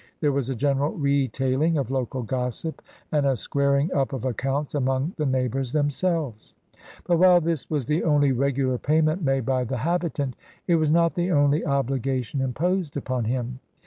There was a general retailing of local gossip and a squaring up of accounts among the neighbors themselves. But whOe this was the only regular payment made by the habitant, it was not the only obli gation imposed upon him.